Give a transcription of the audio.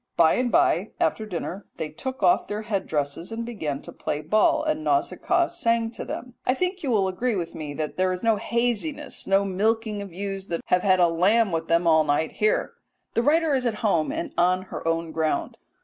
By and by, after dinner, they took off their head dresses and began to play at ball, and Nausicaa sang to them." I think you will agree with me that there is no haziness no milking of ewes that have had a lamb with them all night here. The writer is at home and on her own ground.